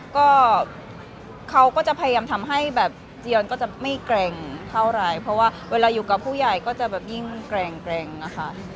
ก็เขาก็จะพยายามทำให้แบบเจียนก็จะไม่แกร่งเท่าไหร่เพราะว่าเวลาอยู่กับผู้ใหญ่ก็จะแบบยิ่งแกร่งนะคะ